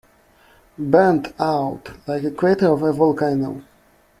Burnt out like the crater of a volcano.